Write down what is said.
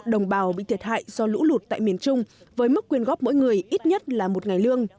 đồng bào bị thiệt hại do lũ lụt tại miền trung với mức quyền góp mỗi người ít nhất là một ngày lương